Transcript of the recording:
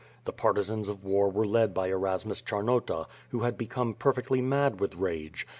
The partisans of war were led by Erasmus Charnota, who had become perfectly mad with rage.